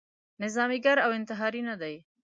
نظاميګر او انتحاري نه دی.